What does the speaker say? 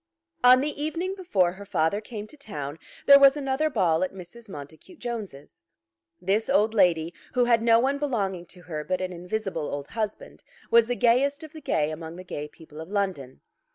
On the evening before her father came to town there was another ball at Mrs. Montacute Jones's. This old lady, who had no one belonging to her but an invisible old husband, was the gayest of the gay among the gay people of London.